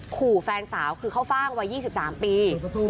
ขู่แฟนสาวคือเข้าฟ่างวัยยี่สิบสามปี